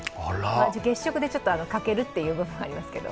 月食でちょっと欠けるという部分がありますけど。